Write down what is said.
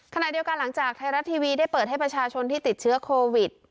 ขณะเดียวกันหลังจากไทยรัฐทีวีได้เปิดให้ประชาชนที่ติดเชื้อโควิด